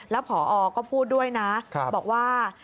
แล้วพอก็พูดด้วยนะบอกว่า